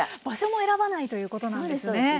場所も選ばないということなんですね。